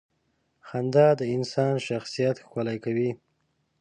• خندا د انسان شخصیت ښکلې کوي.